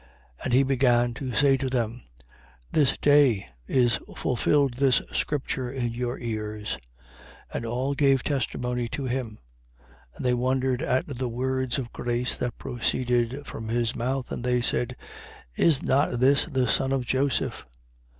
4:21. And he began to say to them: This day is fulfilled this scripture in your ears. 4:22. And all gave testimony to him. And they wondered at the words of grace that proceeded from his mouth. And they said: Is not this the son of Joseph?